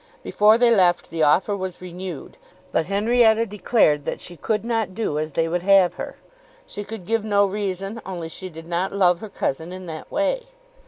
Before they left the offer was renewed, but Henrietta declared that she could not do as they would have her. She could give no reason, only she did not love her cousin in that way.